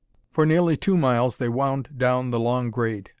For nearly two miles they wound down the long grade.